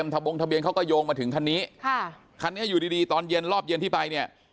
คุณทะเบียนเขาก็โยงมาถึงคันนี้คันนี้อยู่ดีตอนเย็นรอบเย็นที่ไปเนี่ย